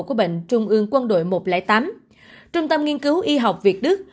của bệnh trung ương quân đội một trăm linh tám trung tâm nghiên cứu y học việt đức